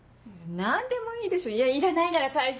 何でもいいでしょいやいらないなら返して。